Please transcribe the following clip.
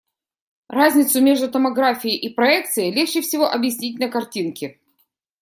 Разницу между томографией и проекцией легче всего объяснить на картинке.